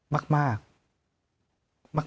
มาก